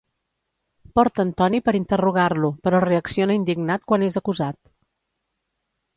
Porten Tony per interrogar-lo, però reacciona indignat quan és acusat.